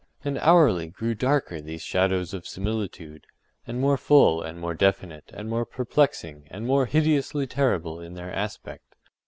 And hourly grew darker these shadows of similitude, and more full, and more definite, and more perplexing, and more hideously terrible in their aspect.